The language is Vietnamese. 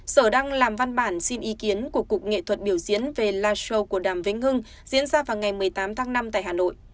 sở đang làm văn bản xin ý kiến của cục nghệ thuật biểu diễn về live show của đàm vĩnh hưng diễn ra vào ngày một mươi tám tháng năm tại hà nội